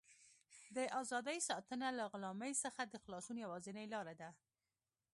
د ازادۍ ساتنه له غلامۍ څخه د خلاصون یوازینۍ لاره ده.